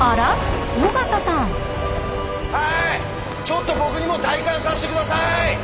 ちょっと僕にも体感させて下さい！